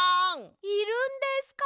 いるんですか？